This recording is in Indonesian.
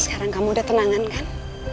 sekarang kamu udah tenangan kan